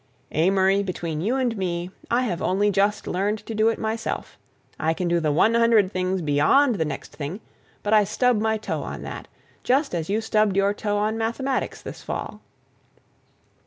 "Amory, between you and me, I have only just learned to do it myself. I can do the one hundred things beyond the next thing, but I stub my toe on that, just as you stubbed your toe on mathematics this fall."